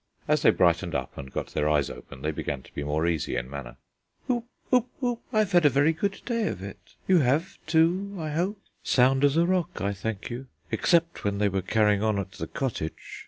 As they brightened up and got their eyes open, they began to be more easy in manner. "Oop! Oop! Oop! I've had a very good day of it. You have, too, I hope?" "Sound as a rock, I thank you, except when they were carrying on at the cottage."